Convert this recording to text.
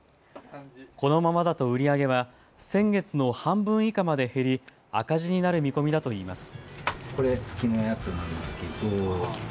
このままだと売り上げは先月の半分以下まで減り赤字になる見込みだといいます。